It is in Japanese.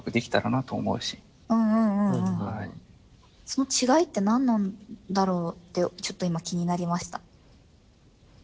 その違いって何なんだろうってちょっと今気になりました。